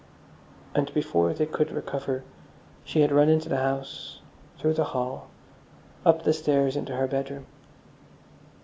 And before they could recover she had run into the house, through the hall, up the stairs into her bedroom.